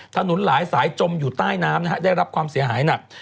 ถนนหลายสายจมอยู่ใต้น้ำนะฮะได้รับความเสียหายหนัก